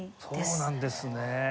そうなんですね。